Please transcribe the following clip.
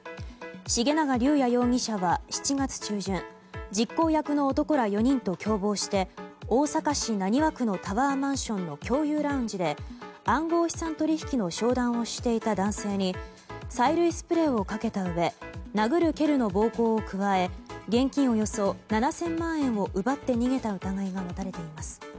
重永龍也容疑者は７月中旬実行役の男ら４人と共謀して大阪市浪速区のタワーマンションの共有ラウンジで暗号資産取引の商談をしていた男性に催涙スプレーをかけたうえ殴る蹴るの暴行を加え現金およそ７０００万円を奪って逃げた疑いが持たれています。